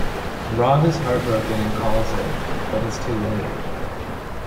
Rob is heartbroken and calls her, but it's too late.